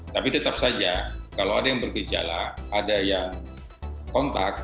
tapi tetap saja kalau ada yang bergejala ada yang kontak